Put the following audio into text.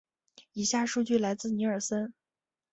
以下数据来自尼尔森。